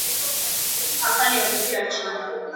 ახალი ამბები არ ჩანდა.